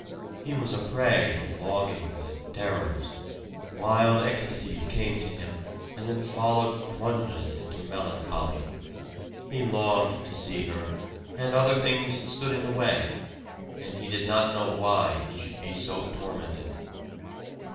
He was a prey to longings and terrors. Wild ecstasies came to him, and then followed plunges into melancholy. He longed to see her, and other things stood in the way, and he did not know why he should be so tormented.